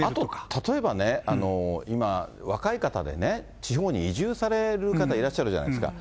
あと、例えばね、今、若い方でね、地方に移住される方いらっしゃるじゃないですか。